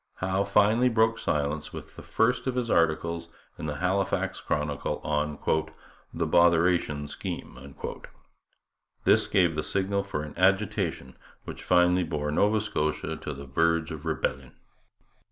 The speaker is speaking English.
Howe finally broke silence with the first of his articles in the Halifax Chronicle on 'The Botheration Scheme.' This gave the signal for an agitation which finally bore Nova Scotia to the verge of rebellion.